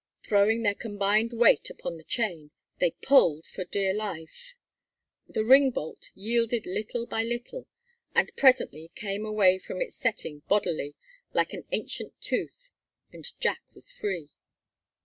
Throwing their combined weight upon the chain, they pulled for dear life. The ring bolt yielded little by little, and presently came away from its setting bodily, like an ancient tooth, and Jack was free.